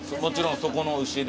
そこの牛で。